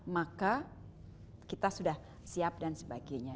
maka kita sudah siap dan sebagainya